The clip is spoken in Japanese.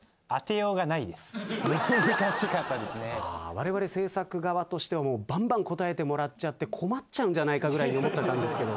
われわれ制作側としてはバンバン答えてもらっちゃって困っちゃうんじゃないかぐらいに思ってたんですけど。